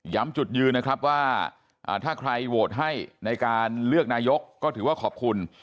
จุดยืนนะครับว่าถ้าใครโหวตให้ในการเลือกนายกก็ถือว่าขอบคุณ